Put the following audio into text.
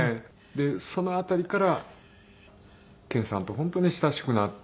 でその辺りから健さんと本当に親しくなって。